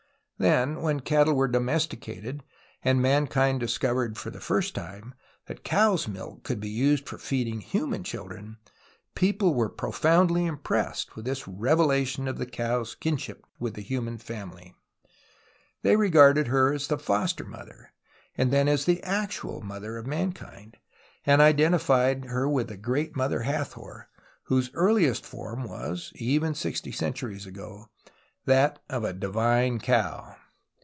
Then, when cattle were domesticated and mankind dis covered for the first time tliat cow's milk could be used for feeding human cliildren, people were profoundly impressed with this GETTING TO HEAVEN 111 revelation of the cow's kinship with the human family. They regarded her as the foster mother, and then as the actual mother of mankind, and identified her with the Great Mother Hathor, whose earliest form was (even sixty centuries ago) that of a Divine Cow.